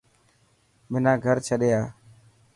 منا گھر ڇڏي آ.